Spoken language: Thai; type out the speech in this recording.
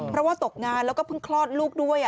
เพราะว่าตกงานแล้วก็เพิ่งคลอดลูกด้วย